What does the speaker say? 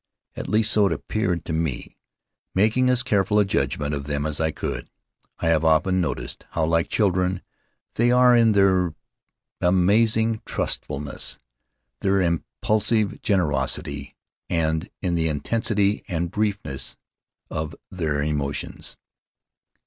At least so it appeared to me, making as careful a judgment of them as I could. I have often noticed how like children they are in their [291 Faery Lands of the South Seas amazing trustfulness, their impulsive generosity, and in the intensity and briefness of their emotions.